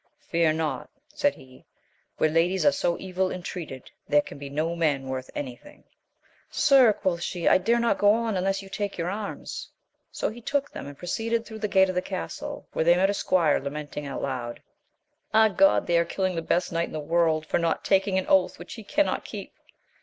Fear not, said he, where ladies are so evil intreated, there can be no men worth any thing. Sir, quoth she, I dare not go on unless you take your arms. So he took them, and proceeded through the gate of the castle, where they met a squire lamenting aloud, — ^Ah Grod, they are killing the best knight in the world for not taking an oath which he cannot keep